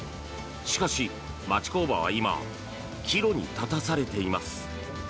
しかし、町工場は今岐路に立たされています。